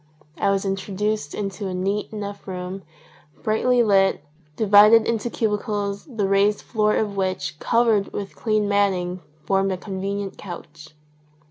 I was in troduced into a neat enough room, brightly lit, divided into cubicles the raised floor of which, covered with clean matting, formed a convenient couch.